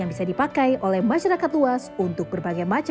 nah adalah lintasu lahrika ya